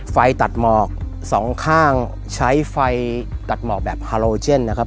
ไฟตัดหมอกสองข้างใช้ไฟตัดหมอกแบบฮาโลเจนนะครับ